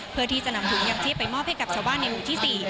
เพื่อที่จะนำถุงยังชีพไปมอบให้กับชาวบ้านในหมู่ที่๔